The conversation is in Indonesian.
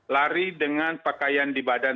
lari dengan pakaian di badan